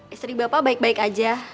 istri bapak baik baik aja